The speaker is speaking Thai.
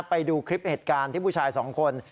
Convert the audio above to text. ไปดูคลิปเหตุการณ์ที่ผู้ชายสองคน